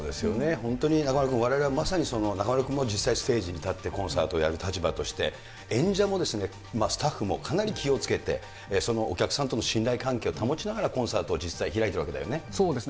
本当にわれわれ中丸君、われわれは中丸君も実際ステージに立って、コンサートをやる立場にあって、演者もスタッフもかなり気をつけて、お客さんとの信頼関係を保ちながらコンサートを実際開いているわそうですね。